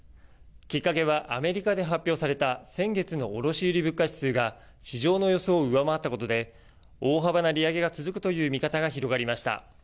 きっかけはアメリカで発表された先月の卸売物価指数が市場の予想を上回ったことで大幅な利上げが続くという見方が広がりました。